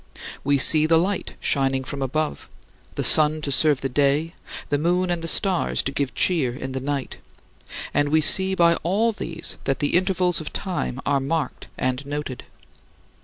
We see the light shining from above the sun to serve the day, the moon and the stars to give cheer in the night; and we see by all these that the intervals of time are marked and noted.